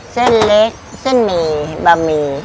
ซี่นเล็กเซ่นเมีย์บะหมี่